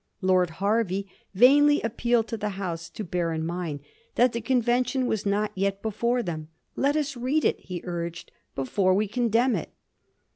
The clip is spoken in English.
Lord Hervey vainly appealed to the House to bear in mind that the convention was not yet before them. " Let us read it," he urged, " before we condemn it."